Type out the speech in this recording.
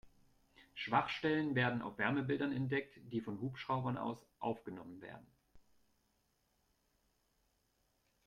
Schwachstellen werden auf Wärmebildern entdeckt, die von Hubschraubern aus aufgenommen werden.